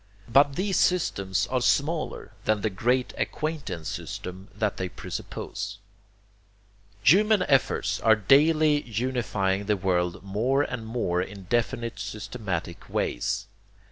But these systems are smaller than the great acquaintance system that they presuppose. Human efforts are daily unifying the world more and more in definite systematic ways.